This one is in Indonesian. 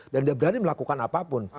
dan dia berani melakukan apapun